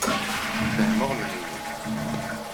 Fehhmeɣ Mhenni.